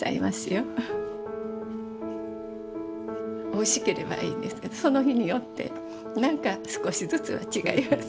おいしければいいんですけどその日によってなんか少しずつは違います。